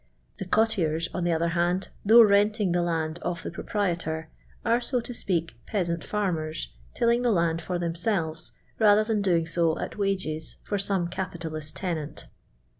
The cot tiers, on the other hand, though renting the land of the proprietor, are, so to speak, peasant fiinnen. tilling the huid for themselves rather tlian doing so at wages for some capitalist tenant.